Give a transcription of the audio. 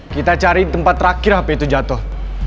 kita cari tempat terakhir hp itu jatuh